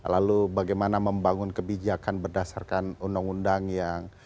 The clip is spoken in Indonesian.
lalu bagaimana membangun kebijakan berdasarkan undang undang yang